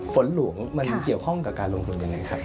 ฝนหลวงมันเกี่ยวข้องกับการลงทุนยังไงครับ